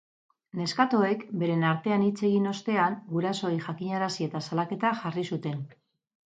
Neskatoek beren artean hitz egin ostean, gurasoei jakinarazi eta salaketa jarri zuten.